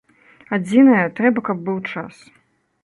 Адзінае, трэба, каб быў час.